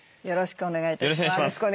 よろしくお願いします。